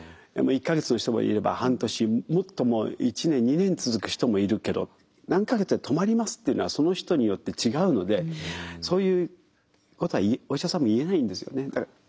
１か月の人もいれば半年もっともう１年２年続く人もいるけど何か月で止まりますっていうのはその人によって違うのでそういうことはお医者さんも言えないんですよね。